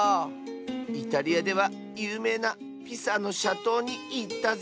イタリアではゆうめいなピサのしゃとうにいったぜ。